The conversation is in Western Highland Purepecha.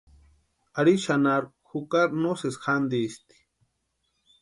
Ari xanharhu jukari no sési jantisti.